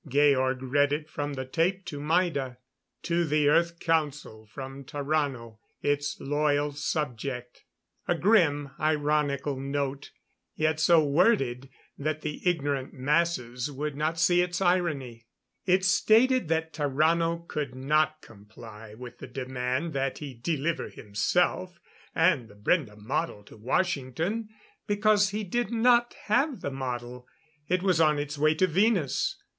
Georg read it from the tape to Maida: "To the Earth Council from Tarrano, its loyal subject " A grimly ironical note, yet so worded that the ignorant masses would not see its irony. It stated that Tarrano could not comply with the demand that he deliver himself and the Brende model to Washington because he did not have the model. It was on its way to Venus.